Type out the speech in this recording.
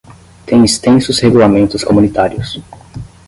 Tem extensos regulamentos comunitários.